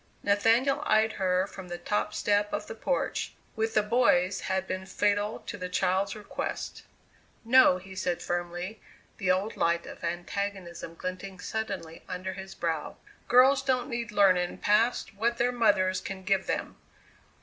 Nathaniel eyed her from the top step of the porch; "with the boys" had been fatal to the child's request. "No," he said firmly, the old light of antagonism glinting suddenly under his brow, "girls don't need learning past what their mothers can give them."